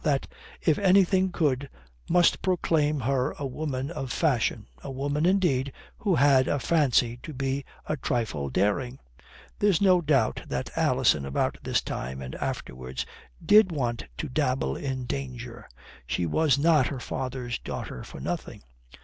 That, if anything could, must proclaim her a woman of fashion a woman, indeed, who had a fancy to be a trifle daring. There's no doubt that Alison about this time and afterwards did want to dabble in danger. She was not her father's daughter for nothing.